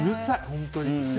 本当に。